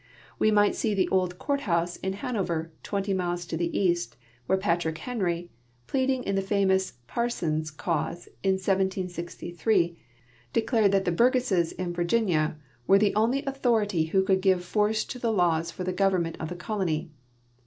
We might see the old court house in Hanover, twenty miles to the east, where Patrick Heniy, pleading in tlie famous Parsons cause in 1763, declared that the hurge.sses in Virginia were the only authority who could give force to the laws for the government of the colony.